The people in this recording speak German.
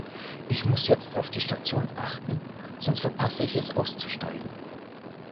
Ich muss jetzt auf die Station achten, sonst verpasse ich es auszusteigen.